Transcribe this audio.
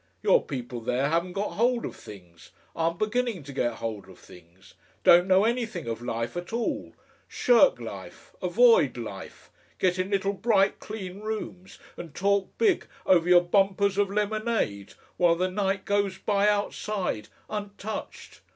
Your people there haven't got hold of things, aren't beginning to get hold of things, don't know anything of life at all, shirk life, avoid life, get in little bright clean rooms and talk big over your bumpers of lemonade while the Night goes by outside untouched.